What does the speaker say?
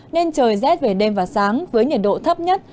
nên trời rét về đêm và sáng với nhiệt độ thấp nhất